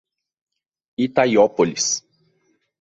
Itaiópolis